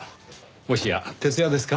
もしや徹夜ですか？